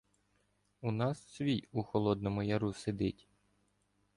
У нас свій у Холодному Яру сидить".